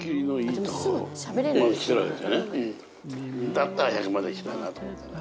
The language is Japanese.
だったら１００まで生きたいなと思ってね。